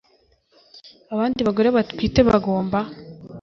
Abandi bagore batwite bagomba